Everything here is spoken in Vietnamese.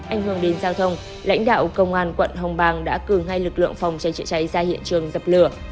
ảnh hưởng đến giao thông lãnh đạo công an quận hồng bàng đã cử ngay lực lượng phòng cháy chữa cháy ra hiện trường dập lửa